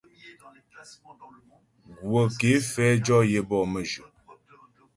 Gwə̀ ké fɛ jɔ yəbɔ mə́jyə.